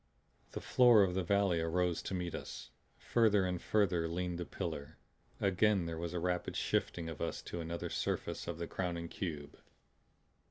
The floor of the valley arose to meet us. Further and further leaned the pillar. Again there was a rapid shifting of us to another surface of the crowning cube.